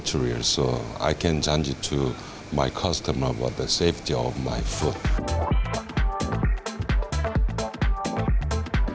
jadi aku bisa janji dengan pelanggan tentang keamanan makanan